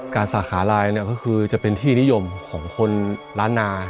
การศักดิ์ขาลายก็คือจะเป็นที่นิยมของคนล้านนา